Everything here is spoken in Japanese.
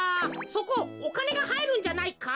そこおかねがはいるんじゃないか？